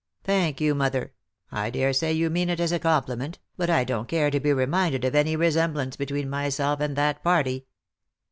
" Thank you, mother. I daresay you mean it as a compli ment, but I don't care to be reminded of any resemblance between myself and that party."